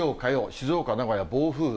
静岡、名古屋、暴風雨。